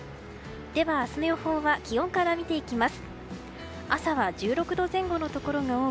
明日の予報は気温から見ていきます。